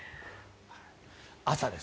朝です。